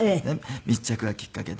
密着がきっかけで。